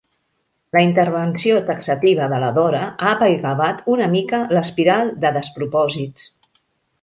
La intervenció taxativa de la Dora ha apaivagat una mica l'espiral de despropòsits.